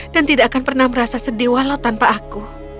dan tidak akan pernah merasa sedih walau tanpa aku